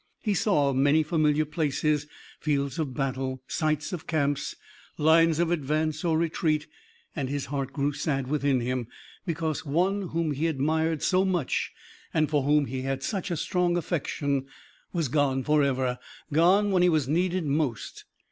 He saw many familiar places, fields of battle, sites of camps, lines of advance or retreat, and his heart grew sad within him, because one whom he admired so much, and for whom he had such a strong affection, was gone forever, gone when he was needed most.